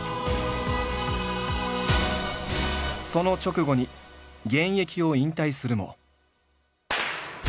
その直後に現役を引退するも。